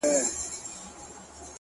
• د غزل تر زړه دي نن ویني څڅېږي ,